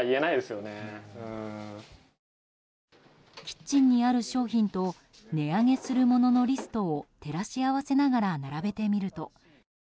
キッチンにある商品と値上げするもののリストを照らし合わせながら並べてみると。